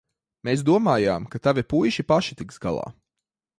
Mēs domājām, ka tavi puiši paši tiks galā.